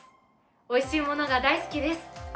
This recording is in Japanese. おいしいものが大好きです。